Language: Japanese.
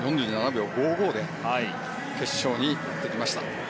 ４７秒５５で決勝にやってきました。